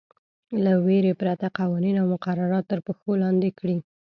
له وېرې پرته قوانین او مقررات تر پښو لاندې کړي.